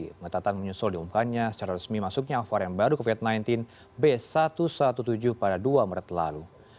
pengetatan menyusul diumumkannya secara resmi masuknya varian baru covid sembilan belas b satu satu tujuh pada dua maret lalu